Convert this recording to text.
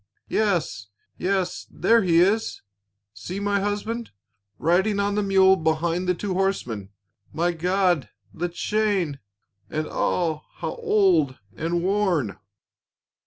" Yes yes, there he is ! See, my husband— riding on the mule behind the two horsemen.— My God, the chain ! And ah, how old and worn